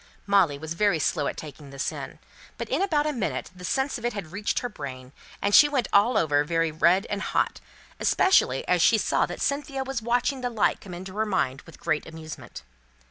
Molly was very slow at taking this in; but in about a minute the sense of it had reached her brain, and she went all over very red and hot; especially as she saw that Cynthia was watching the light come into her mind with great amusement.